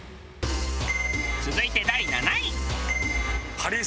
続いて第７位。